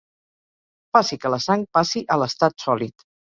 Faci que la sang passi a l'estat sòlid.